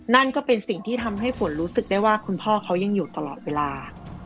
นั่นก็เป็นสิ่งที่ทำให้ฝนรู้สึกได้ว่าคุณพ่อเขายังอยู่ตลอดเวลา